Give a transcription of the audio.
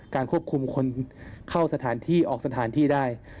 ควบคุมคนเข้าสถานที่ออกสถานที่ได้